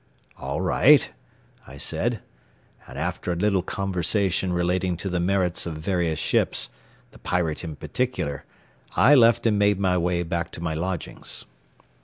"All right," I said, and after a little conversation relating to the merits of various ships, the Pirate in particular, I left and made my way back to my lodgings.